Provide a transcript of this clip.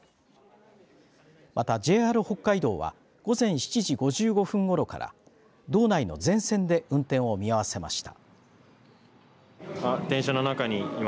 また、ＪＲ北海道は午前７時５５分ごろから道内の全線で運転を見合わせました。